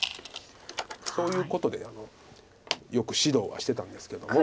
そういうことでよく指導はしてたんですけども。